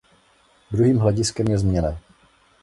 Druhým hlediskem je změna.